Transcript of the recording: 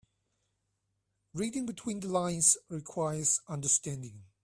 Reading between the lines requires understanding.